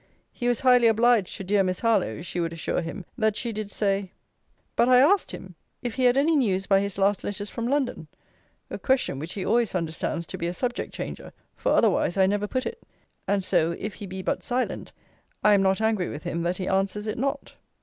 He was highly obliged to dear Miss Harlowe, she would assure him; that she did say But I asked him, if he had any news by his last letters from London? A question which he always understands to be a subject changer; for otherwise I never put it. And so if he be but silent, I am not angry with him that he answers it not.